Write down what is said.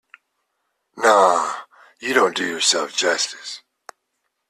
No, you don't do yourself justice.